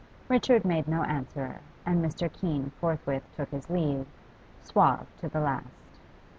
Richard made no answer, and Mr. Keene forthwith took his leave, suave to the last.